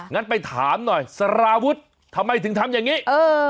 งั้นไปถามหน่อยสารวุฒิทำไมถึงทำอย่างนี้